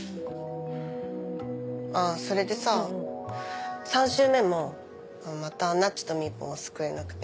それでさ３周目もまたなっちとみーぽんは救えなくて。